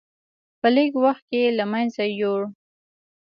په لږ وخت کې له منځه یووړ.